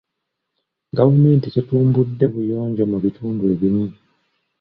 Gavumenti tetumbudde buyonjo mu bitundu ebimu.